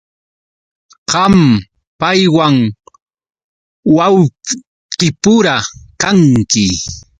Qam paywan wawqipura kanki.